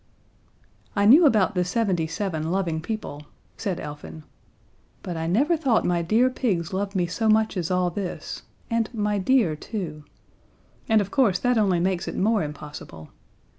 "I knew about the seventy seven loving people," said Elfin. "But I never thought my dear pigs loved me so much as all this, and my dear too and, of course, that only makes it more impossible.